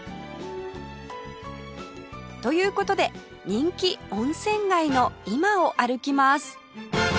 という事で人気温泉街の今を歩きます